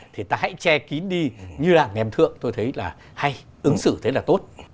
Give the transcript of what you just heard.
thì ta hãy che kín đi như là nghèm thượng tôi thấy là hay ứng xử thế là tốt